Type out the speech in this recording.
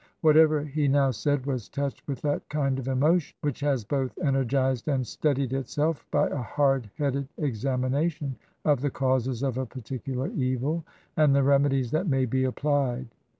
Whatever he now said was touched with that kind of emotion which has both energized and steadied itself by a hard headed examination of the causes of a particular evil and the remedies that may be applied.